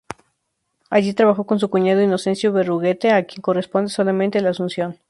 Allí trabajó con su cuñado Inocencio Berruguete, a quien corresponde solamente la "Asunción".